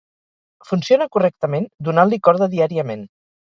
Funciona correctament, donant-li corda diàriament.